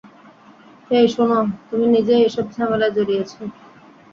হেই, শোনো, তুমি নিজেই এসব ঝামেলায় জড়িয়েছ।